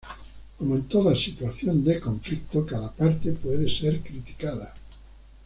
Como en toda situación de conflicto, cada parte puede ser criticada.